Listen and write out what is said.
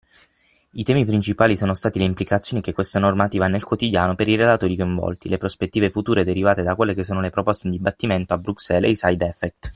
I temi principali sono stati le implicazioni che questa normativa ha nel quotidiano per i relatori coinvolti, le prospettive future derivate da quelle che sono le proposte in dibattimento a Bruxelles e i “side effect”